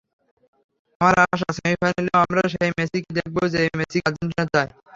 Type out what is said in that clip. আমার আশা, সেমিফাইনালেও আমরা সেই মেসিকেই দেখব যেই মেসিকে আর্জেন্টিনা চায়।